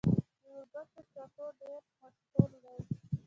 د وربشو سټو ډیر مشهور دی.